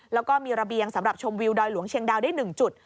แล้วก็มีระเบียงสำหรับชมวิวดอยหลวงเชียงดาวได้๑จุด